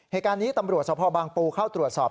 เหตุการณ์นี้ตำรวจสภบางปูเข้าตรวจสอบ